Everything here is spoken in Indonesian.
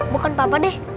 bukan papa deh